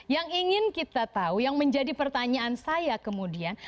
yang ingin kita tahu yang menjadi pertanyaan saya kemudian